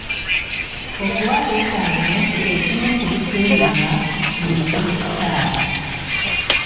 Okuwa abeetavu kye kimu ku bisuubirwa mu mukulisitayo.